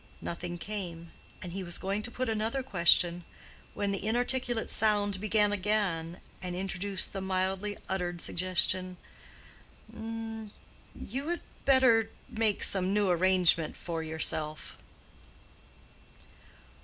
Nothing came, and he was going to put another question, when the inarticulate sound began again and introduced the mildly uttered suggestion, "You had better make some new arrangement for yourself."